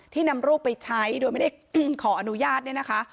นำรูปไปใช้โดยไม่ได้ขออนุญาตเนี่ยนะคะ